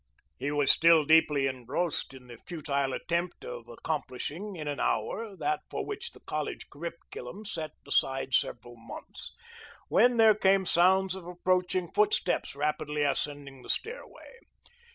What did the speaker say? He was still deeply engrossed in the futile attempt of accomplishing in an hour that for which the college curriculum set aside several months when there came sounds of approaching footsteps rapidly ascending the stairway.